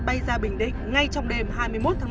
bay ra bình định ngay trong đêm hai mươi một tháng một